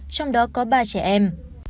trong đó có ba trẻ em